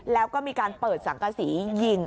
แล้วก็มีการเปิดสังกษียิง